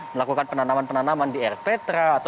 melakukan penanaman penanaman di air petra